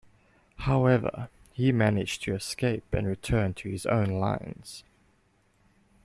However he managed to escape and return to his own lines.